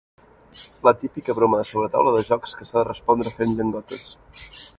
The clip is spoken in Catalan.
La típica broma de sobretaula de jocs, que s'ha de respondre fent llengotes.